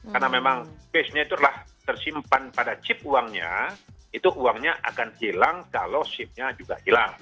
karena memang base nya itu adalah tersimpan pada chip uangnya itu uangnya akan hilang kalau sim nya juga hilang